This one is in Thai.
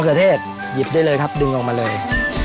เขือเทศหยิบได้เลยครับดึงออกมาเลย